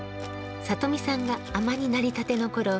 里見さんが海女になりたてのころ